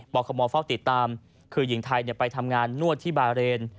คมเฝ้าติดตามคือหญิงไทยไปทำงานนวดที่บาเรน